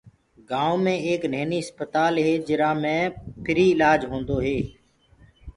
گائونٚ مي ايڪ نهيني سي اسپتال هي جرا مي ڦري اِلآج هوندو هي۔